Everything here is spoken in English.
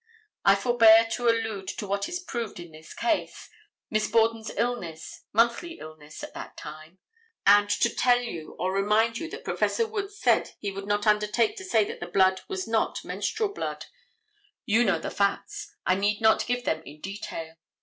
I forbear to allude to what is proved in this case—Miss Borden's illness, monthly illness, at that time—and to tell you or remind you that Prof. Wood said he would not undertake to say that that blood was not the menstrual blood. You know the facts. I need not give them in detail.